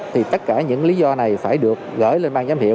thì tất cả những lý do này phải được gửi lên bang giám hiệu